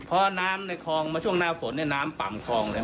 เพราะน้ำในคลองมาช่วงหน้าฝนเนี่ยน้ำต่ำคลองเลย